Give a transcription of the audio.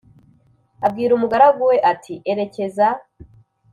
abwira umugaragu we ati Erekeza